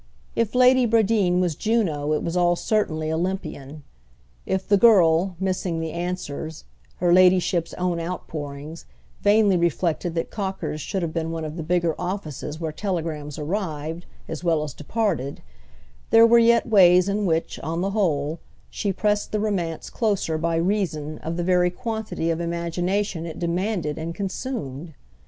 If Lady Bradeen was Juno it was all certainly Olympian. If the girl, missing the answers, her ladyship's own outpourings, vainly reflected that Cocker's should have been one of the bigger offices where telegrams arrived as well as departed, there were yet ways in which, on the whole, she pressed the romance closer by reason of the very quantity of imagination it demanded and consumed.